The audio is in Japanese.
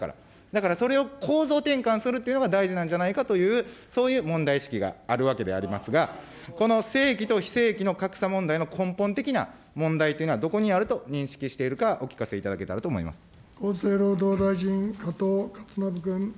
だからそれを構造転換するというのが大事なんじゃないかという、そういう問題意識があるわけでありますが、この正規と非正規の格差問題の根本的な問題というのはどこにあると認識しているかお聞かせいただけたらと思います。